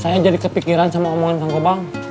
saya jadi kepikiran sama omongan sang kobang